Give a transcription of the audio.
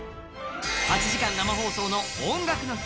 ８時間生放送の「音楽の日」